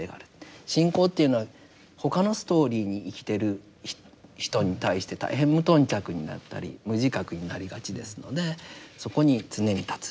信仰というのは他のストーリーに生きてる人に対して大変無頓着になったり無自覚になりがちですのでそこに常に立つ。